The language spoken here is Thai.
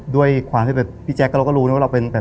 ด้วยความที่พี่แจ๊คเราก็รู้นะว่า